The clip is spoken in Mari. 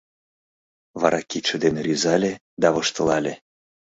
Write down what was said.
Вара кидше дене рӱзале да воштылале.